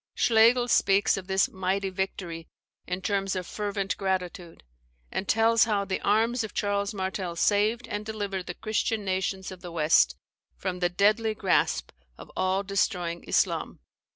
] Schlegel speaks of this "mighty victory" in terms of fervent gratitude; and tells how "the arms of Charles Martel saved and delivered the Christian nations of the West from the deadly grasp of all destroying Islam;" [Philosophy of History, p. 331.